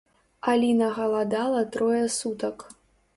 Аліна галадала трое сутак.